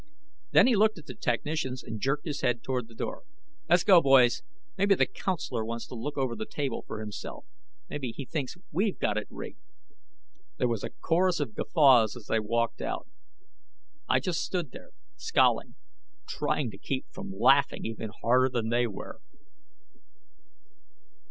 Then he looked at the technicians and jerked his head toward the door. "Let's go, boys. Maybe the counselor wants to look over the table for himself. Maybe he thinks we've got it rigged." There was a chorus of guffaws as they walked out. I just stood there, scowling, trying to keep from laughing even harder than they were.